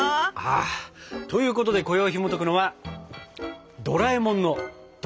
ということでこよいひもとくのは「ドラえもんのドラやき」。